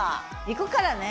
いくからね。